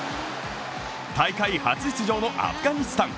大会初出場のアフガニスタン